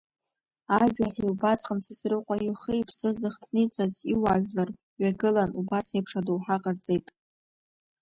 Ажәаҳәаҩ убасҟан Сасрыҟәа ихы-иԥсы зыхҭниҵаз иуаажәлар ҩагылан, убас еиԥш адоуҳа ҟарҵеит.